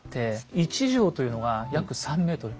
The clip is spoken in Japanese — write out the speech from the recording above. １丈というのが約３ｍ。